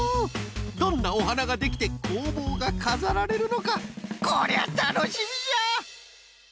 どんなおはなができてこうぼうがかざられるのかこりゃたのしみじゃ！